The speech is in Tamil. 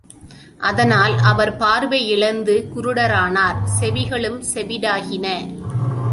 அதனால், அவர் பார்வை இழந்து குருடரானார் செவிகளும் செவிடாகின.